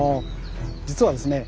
実はですね